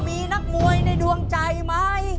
มีนักมวยในดวงใจไหม